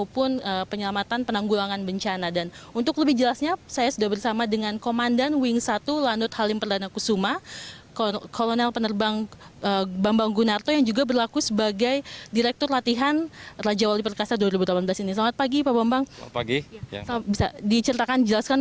penerbangan tujuh pesawat hercules untuk menilai lokasi bencana alam yang terjadi di sumatera selatan